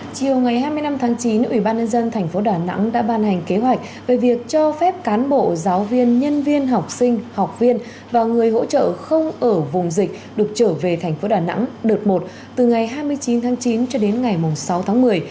chiều ngày hai mươi năm tháng chín ủy ban nhân dân tp đà nẵng đã ban hành kế hoạch về việc cho phép cán bộ giáo viên nhân viên học sinh học viên và người hỗ trợ không ở vùng dịch được trở về thành phố đà nẵng đợt một từ ngày hai mươi chín tháng chín cho đến ngày sáu tháng một mươi